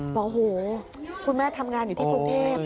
บอกโหคุณแม่ทำงานอยู่ที่กรุงเทพ